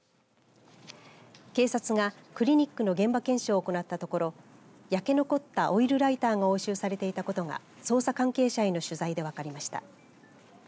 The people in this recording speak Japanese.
警察がクリニックの現場検証を行ったところ焼け残ったオイルライターが押収されていたことが捜査関係者への取材で分かりました。